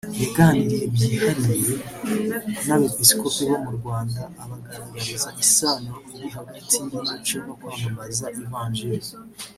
yaganiriye byihariye n’abepiskopi bo mu Rwanda abagaragariza isano riri hagati y’umuco no kwamamaza ivanjili